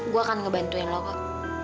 gue akan ngebantuin lo kok